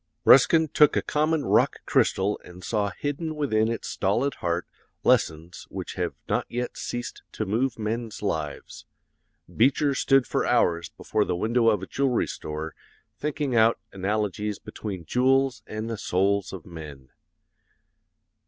"Ruskin took a common rock crystal and saw hidden within its stolid heart lessons which have not yet ceased to move men's lives. Beecher stood for hours before the window of a jewelry store thinking out analogies between jewels and the souls of men.